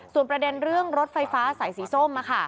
ส่วนประเด็นเรื่องรถไฟฟ้าสายสีส้ม